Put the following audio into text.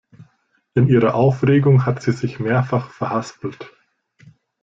In ihrer Aufregung hat sie sich mehrfach verhaspelt.